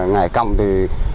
ngày công thì